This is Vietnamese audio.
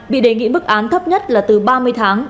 bị đề nghị mức án thấp nhất là từ ba mươi tháng